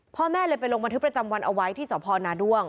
พ่อแม่เลยไปลงบันทึกประจำวันเอาไว้ที่สพนาด้วง